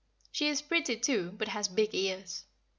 She is pretty too, but has big ears.